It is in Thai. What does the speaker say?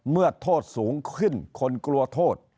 เมื่อโทษสูงขึ้นคนกลัวโทษ